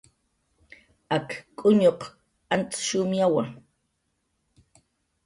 Ak k'uñuq antz shumyawa